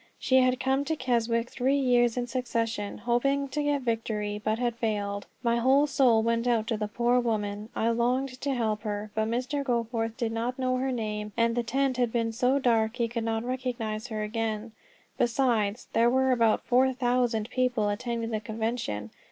She had come to Keswick three years in succession, hoping to get victory, but had failed. My whole soul went out to the poor woman; I longed to help her. But Mr. Goforth did not know her name, and the tent had been so dark he could not recognize her again; besides, there were about four thousand people attending the convention.